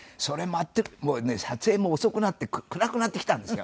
もうね撮影も遅くなって暗くなってきたんですよ。